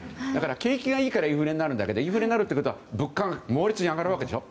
景気がいいからインフレになるんだけどインフレになると物価が猛烈に上がるわけでしょ。